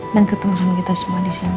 dan ketemu sama kita semua disini